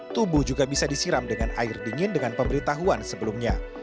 tubuh juga bisa disiram dengan air dingin dengan pemberitahuan sebelumnya